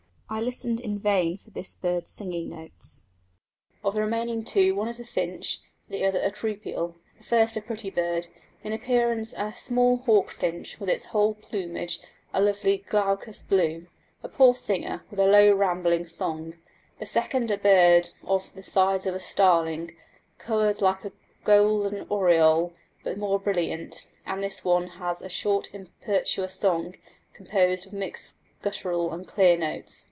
I listened in vain for this bird's singing notes. Of the remaining two one is a finch, the other a troupial; the first a pretty bird, in appearance a small hawfinch with its whole plumage a lovely glaucous blue; a poor singer with a low rambling song: the second a bird of the size of a starling, coloured like a golden oriole, but more brilliant; and this one has a short impetuous song composed of mixed guttural and clear notes.